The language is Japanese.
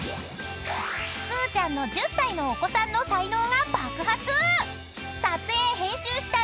［くぅちゃんの１０歳のお子さんの才能が爆発！］